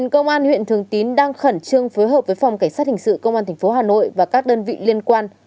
công an huyện thường tín đang khẩn trương phối hợp với phòng cảnh sát hình sự công an tp hà nội và các đơn vị liên quan